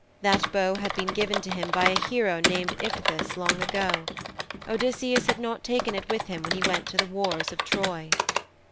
That bow had been given to him by a hero named Iphitus long ago. Odysseus had not taken it with him when he went to the wars of Troy.